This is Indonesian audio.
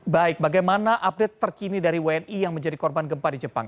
baik bagaimana update terkini dari wni yang menjadi korban gempa di jepang